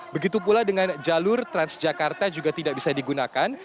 begitu pula dengan jalur transjakarta juga tidak bisa digunakan